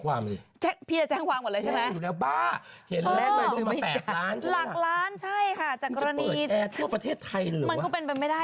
วันนี้เดือนนี้นี้ศาลากินแบบรัฐพาคาจะออกวันที่๓๐นะคะ